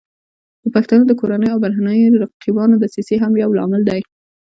د پښتنو د کورنیو او بهرنیو رقیبانو دسیسې هم یو لامل دی